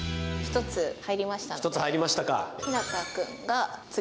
１つ入りましたので。